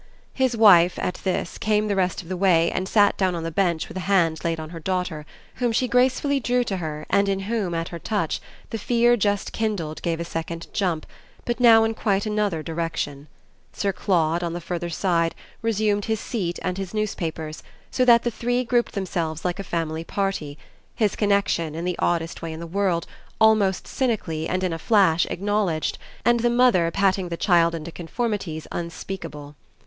His wife, at this, came the rest of the way and sat down on the bench with a hand laid on her daughter, whom she gracefully drew to her and in whom, at her touch, the fear just kindled gave a second jump, but now in quite another direction. Sir Claude, on the further side, resumed his seat and his newspapers, so that the three grouped themselves like a family party; his connexion, in the oddest way in the world, almost cynically and in a flash acknowledged, and the mother patting the child into conformities unspeakable.